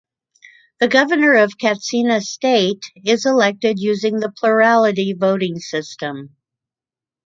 The Governor of Katsina State is elected using the plurality voting system.